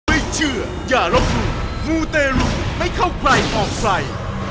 ไม่เชื่ออย่าร้องปู่มูเตรุไม่เข้าใกล้ออกไฟ